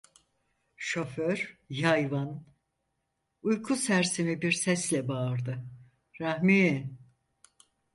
Şoför yayvan, uyku sersemi bir sesle bağırdı: "Rahmi!"